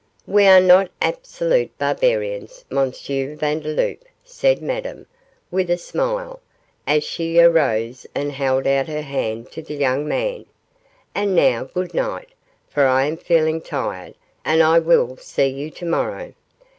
'We are not absolute barbarians, M. Vandeloup,' said Madame, with a smile, as she arose and held out her hand to the young man; 'and now good night, for I am feeling tired, and I will see you to morrow.